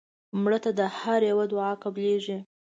مړه ته د هر یو دعا قبلیږي